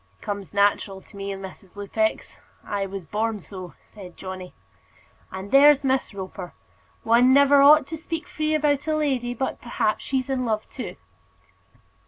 "It comes natural to me, Mrs. Lupex. I was born so," said Johnny. "And there's Miss Roper one never ought to speak free about a lady, but perhaps she's in love too."